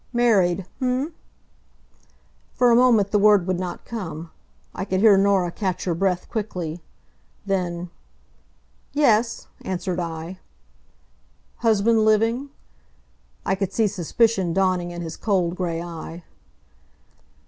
"Married, h'm?" For a moment the word would not come. I could hear Norah catch her breath quickly. Then "Yes," answered I. "Husband living?" I could see suspicion dawning in his cold gray eye.